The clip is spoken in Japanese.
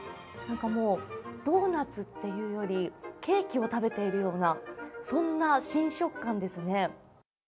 なんか、もうドーナツっていうよりケーキを食べているような、そんな新食感ですね。